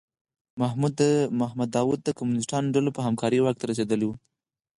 محمد داوود د کمونیستو ډلو په همکارۍ واک ته رسېدلی و.